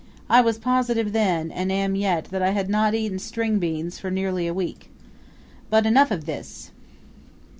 I was positive then, and am yet, that I had not eaten string beans for nearly a week. But enough of this!